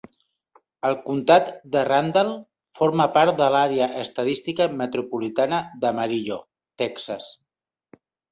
El comtat de Randall forma part de l'àrea estadística metropolitana d'Amarillo, Texas.